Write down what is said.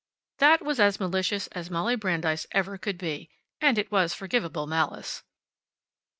That was as malicious as Molly Brandeis ever could be. And it was forgivable malice.